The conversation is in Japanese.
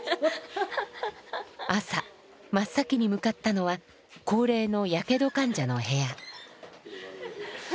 朝真っ先に向かったのは高齢のやけど患者の部屋。